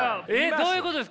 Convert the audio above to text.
どういうことですか？